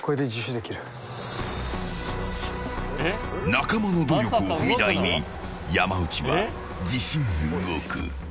仲間の努力を踏み台に山内は自首に動く。